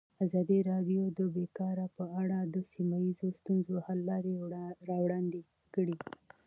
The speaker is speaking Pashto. ازادي راډیو د بیکاري په اړه د سیمه ییزو ستونزو حل لارې راوړاندې کړې.